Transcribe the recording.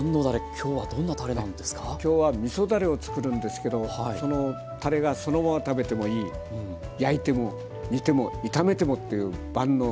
今日はみそだれを作るんですけどそのたれがそのまま食べてもいい焼いても煮ても炒めてもという万能。